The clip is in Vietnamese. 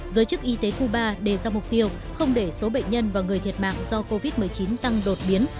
giới chức y tế cuba đề ra mục tiêu không để số bệnh nhân và người thiệt mạng do covid một mươi chín tăng đột biến